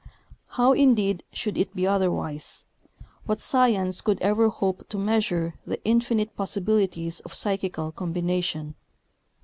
How, indeed, should it be otherwise? What science could ever hope to measure the infinite possibilities of psychical combination?